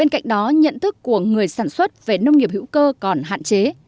cạnh đó nhận thức của người sản xuất về nông nghiệp hữu cơ còn hạn chế